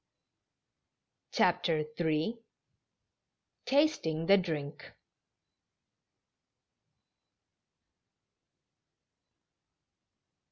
CHAPTER IIL TASTING THE BRINK.